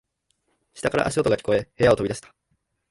下から足音が聞こえ、部屋を飛び出した。